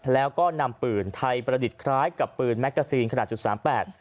แล้วก็นำปืนไทยประดิษฐ์คล้ายกับปืนแมกกาซีนขนาดจุดสามแปด